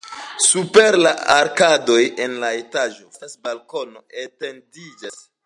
Super la arkadoj en la etaĝo vasta balkono etendiĝas.